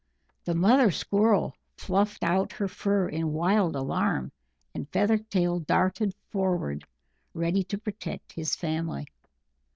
The mother Squirrel fluffed out her fur in wild alarm, and Feathertail darted forward ready to protect his family.